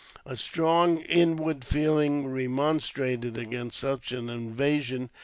A strong inward feeling remonstrated against such an invasion .